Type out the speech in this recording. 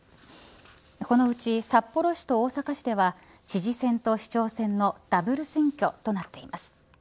このうち札幌市と大阪市では知事選と市長選のダブル選挙となっています。